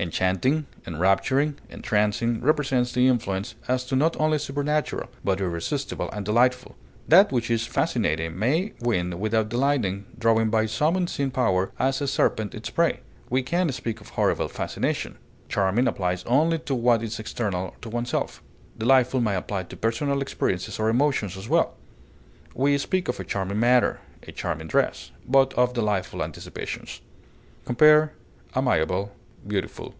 Enchanting, enrapturing, entrancing represent the influence as not only supernatural, but irresistible and delightful. That which is fascinating may win without delighting, drawing by some unseen power, as a serpent its prey; we can speak of horrible fascination. Charming applies only to what is external to oneself; delightful may apply to personal experiences or emotions as well; we speak of a charming manner, a charming dress, but of delightful anticipations. Compare AMIABLE; BEAUTIFUL.